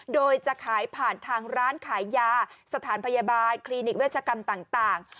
โดยจะขายผ่านทางร้านขายยาสถานพยาบาลคลินิกเวชกรรมต่าง